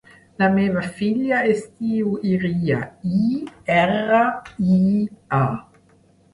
La meva filla es diu Iria: i, erra, i, a.